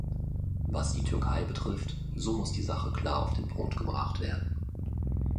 Was die Türkei betrifft, so muss die Sache klar auf den Punkt gebracht werden.